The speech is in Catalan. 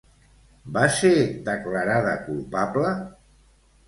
Va ser declarada culpable?